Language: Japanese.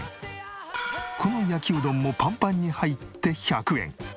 この焼きうどんもパンパンに入って１００円。